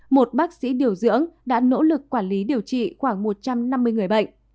một bác sĩ điều dưỡng đã nỗ lực quản lý điều trị khoảng một trăm năm mươi người bệnh